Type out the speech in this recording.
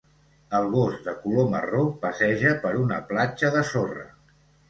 El gos de color marró passeja per una platja de sorra.